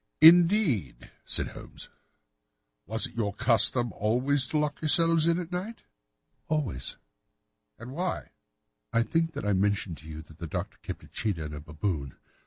"Indeed," said Holmes. "Was it your custom always to lock yourselves in at night?" "Always." "And why?" "I think that I mentioned to you that the Doctor kept a cheetah and a baboon.